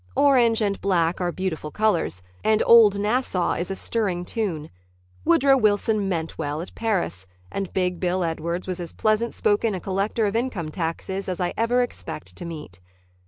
Orange and black are beautiful colors and "Old Nassau" is a stirring tune. Woodrow Wilson meant well at Paris, and Big Bill Edwards was as pleasant spoken a collector of income taxes as I ever expect to meet.